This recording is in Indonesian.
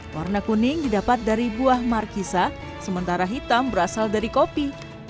warna kuning didapat dari buah markisa sementara hitam berasal dari kopi